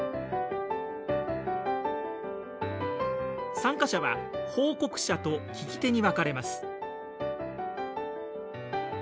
参加者は報告者と聴き手に分かれます。